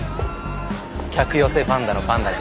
客寄せパンダのパンダ君。